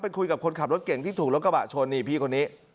คุยกับคนขับรถเก่งที่ถูกรถกระบะชนนี่พี่คนนี้